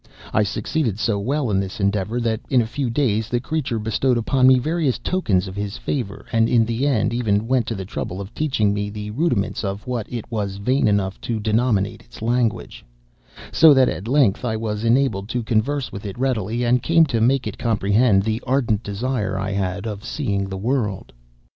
I succeeded so well in this endeavor that, in a few days, the creature bestowed upon me various tokens of his favor, and in the end even went to the trouble of teaching me the rudiments of what it was vain enough to denominate its language; so that, at length, I was enabled to converse with it readily, and came to make it comprehend the ardent desire I had of seeing the world.